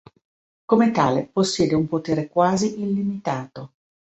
Come tale, possiede un potere quasi illimitato.